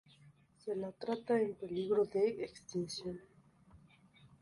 Se la trata en peligro de extinción.